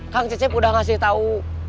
kang cecep udah ngasih tau